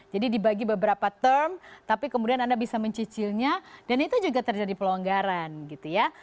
jadi dibagi beberapa term tapi kemudian anda bisa mencicilnya dan itu juga terjadi pelonggaran gitu ya